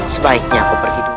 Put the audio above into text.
sebaiknya aku pergi dulu